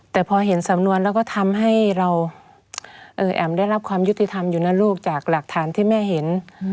แต่พอเห็นสำนวนแล้วก็ทำให้เราแอ๋มได้รับความยุติธรรมอยู่นะลูกจากหลักฐานที่แม่เห็น